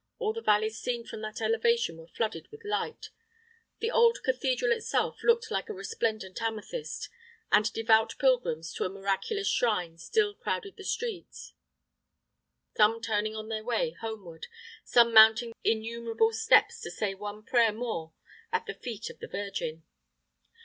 All the valleys seen from that elevation were flooded with light; the old cathedral itself looked like a resplendent amethyst, and devout pilgrims to the miraculous shrine still crowded the streets, some turning on their way homeward, some mounting the innumerable steps to say one prayer more at the feet of the Virgin.